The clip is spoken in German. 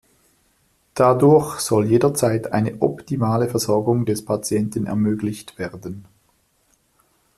Dadurch soll jederzeit eine optimale Versorgung des Patienten ermöglicht werden.